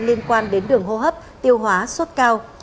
liên quan đến đường hô hấp tiêu hóa sốt cao